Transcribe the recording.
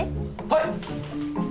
はい。